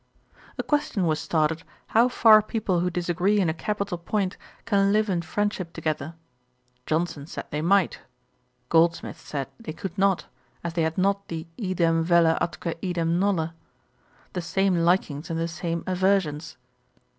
A question was started, how far people who disagree in a capital point can live in friendship together. Johnson said they might. Goldsmith said they could not, as they had not the idem velle atque idem nolle the same likings and the same aversions.